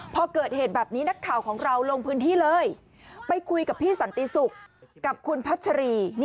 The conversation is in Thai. พอเกิดเหตุแบบนี้นักข่าวของเราลงพื้นที่เลยไปคุยกับพี่สันติศุกร์กับคุณพัชรี